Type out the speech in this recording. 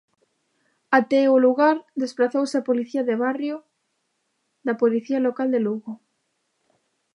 Até o lugar desprazouse a Policía de Barrio da Policía Local de Lugo.